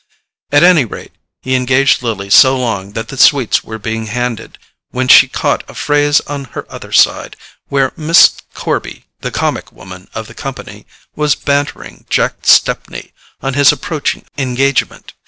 At any rate he engaged Lily so long that the sweets were being handed when she caught a phrase on her other side, where Miss Corby, the comic woman of the company, was bantering Jack Stepney on his approaching engagement.